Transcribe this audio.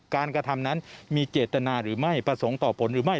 กระทำนั้นมีเจตนาหรือไม่ประสงค์ต่อผลหรือไม่